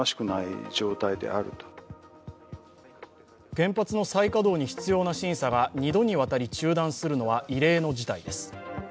原発の再稼働に必要な審査が２度にわたり中断するのは異例の事態です。